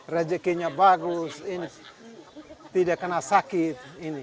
rezekinya bagus ini tidak kena sakit